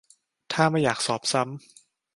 ถ้าไม่อยากสอบซ้ำ